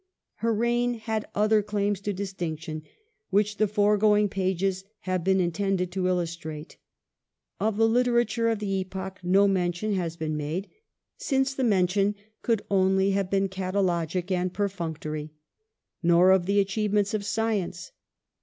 Her reign had other claims to distinction which the foregoing pages have been intended to illustrate. Of the literature of the epoch no mention has been made, since the mention could only have been catalogic and perfunctory. Nor of the achievements of science.